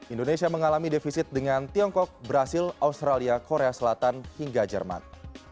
indonesia mengalami defisit dengan tiongkok brazil australia korea selatan hingga jerman